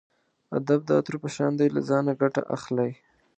ادب د عطرو په شان دی له ځانه ګټه اخلئ.